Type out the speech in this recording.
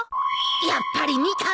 やっぱり見たの？